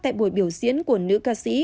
tại buổi biểu diễn của nữ ca sĩ